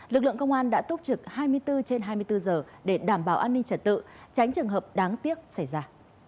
lực lượng công an đã túc trực hai mươi bốn trên hai mươi bốn giờ để đảm bảo an ninh trật tự tránh trường hợp đáng tiếc xảy ra